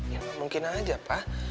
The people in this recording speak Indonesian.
ya mungkin aja pak